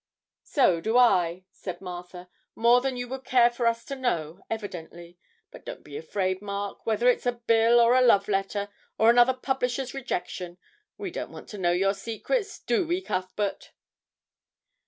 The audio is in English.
'So do I,' said Martha, 'more than you would care for us to know, evidently; but don't be afraid, Mark, whether it's a bill, or a love letter, or another publisher's rejection; we don't want to know your secrets do we, Cuthbert?'